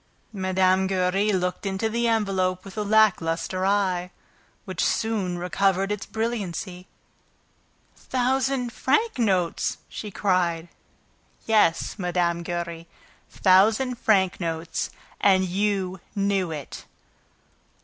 Mine. Giry looked into the envelope with a lackluster eye, which soon recovered its brilliancy. "Thousand franc notes!" she cried. "Yes, Mme. Giry, thousand franc notes! And you knew it!"